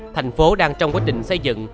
thành phố đang trong quá trình xây dựng